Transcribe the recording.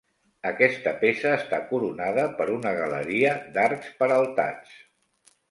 Aquesta peça està coronada per una galeria d'arcs peraltats.